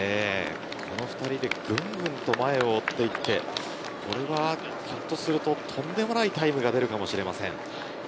この２人でぐんぐんと前を追っていってこれはひょっとするととんでもないタイムが出るかもしれません。